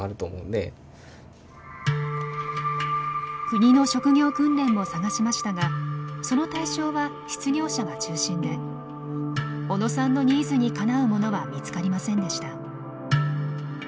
国の職業訓練も探しましたがその対象は失業者が中心で小野さんのニーズにかなうものは見つかりませんでした。